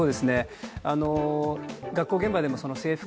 学校現場でも制服